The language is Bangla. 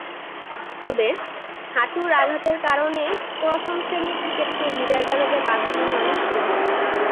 তবে, হাঁটুর আঘাতের কারণে প্রথম-শ্রেণীর ক্রিকেটকে বিদায় জানাতে বাধ্য হন তিনি।